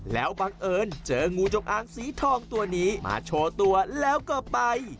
แล้วบังเอิญเจองูจงอางสีทองตัวนี้มาโชว์ตัวแล้วก็ไป